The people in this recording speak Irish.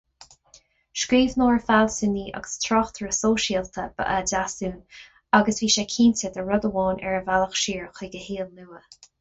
Scríbhneoir, fealsúnaí agus tráchtaire sóisialta ba ea Deasún agus bhí sé cinnte de rud amháin ar a bhealach siar chuig a shaol nua.